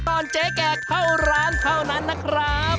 ตอนเจ๊แก่เข้าร้านเท่านั้นนะครับ